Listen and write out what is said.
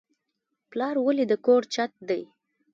پلار ولې د کور چت دی؟